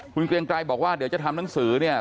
คุณเกรียงไกรบอกว่าเดี๋ยวจะทำหนังสือเนี่ย